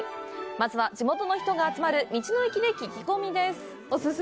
まずは地元の人が集まる道の駅で聞き込みです。